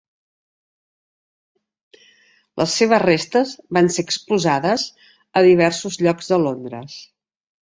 Les seves restes van ser exposades a diversos llocs de Londres.